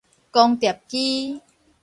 光碟機